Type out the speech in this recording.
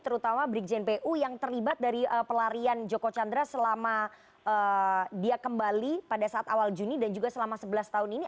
terutama brigjen pu yang terlibat dari pelarian joko chandra selama dia kembali pada saat awal juni dan juga selama sebelas tahun ini